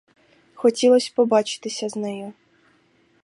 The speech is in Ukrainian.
Хотілось побачитися з нею.